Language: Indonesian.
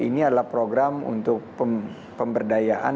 ini adalah program untuk pemberdayaan